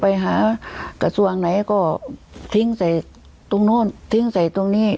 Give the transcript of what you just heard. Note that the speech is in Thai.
ไปหากระทรวงไหนก็ทิ้งใส่ตรงโน้นทิ้งใส่ตรงนี้